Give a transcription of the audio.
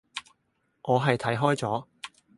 我係睇開咗